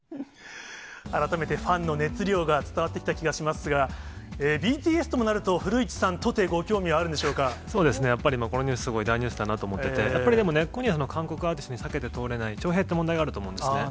改めてファンの熱量が伝わってきた気がしますが、ＢＴＳともなると古市さんとて、ご興味はあそうですね、やっぱりこのニュース、大ニュースだなと思ってて、やっぱりでも、根っこには韓国アーティストには避けて通れない、徴兵って問題があると思うんですね。